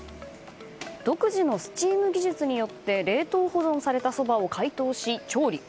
独自のスチーム技術によって冷凍保存されたそばを解凍し、調理。